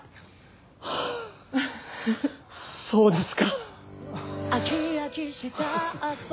はあそうですか！